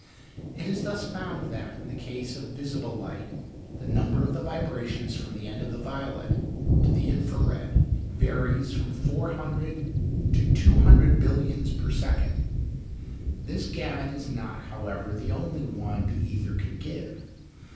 It is thus found that, in the case of visible light, the number of the vibrations from the end of the violet to the infra red varies from four hundred to two hundred billions per second. This gamut is not, however, the only one the ether can give.